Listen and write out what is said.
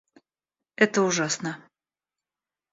Это ужасно.